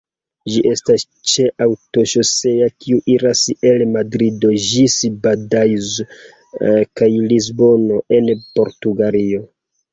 Ĝi estas ĉe aŭtoŝoseo kiu iras el Madrido ĝis Badajoz kaj Lisbono, en Portugalio.